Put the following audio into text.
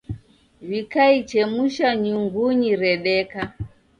Wikaichemusha nyungunyi redeka.